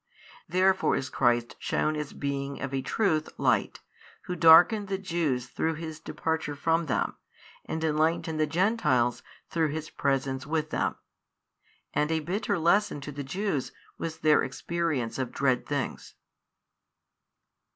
Therefore is Christ shewn as being of a truth Light, Who |604 darkened the Jews through His Departure from them, and enlightened the Gentiles through His Presence with them: and a bitter lesson to the Jews was their experience of dread things.